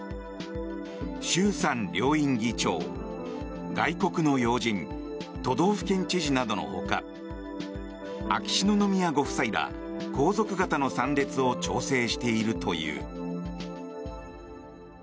衆参両院議長、外国の要人都道府県知事などのほか秋篠宮ご夫妻ら皇族方の参列を調整しているという。